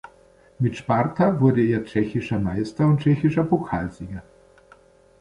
Mit Sparta wurde er Tschechischer Meister und Tschechischer Pokalsieger.